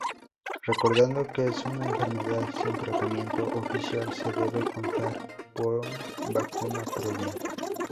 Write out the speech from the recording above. Recordando que es una enfermedad sin tratamiento oficial se debe contar con vacuna previa.